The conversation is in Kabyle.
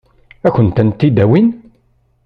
Ad kent-tent-id-awin?